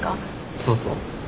そうそう。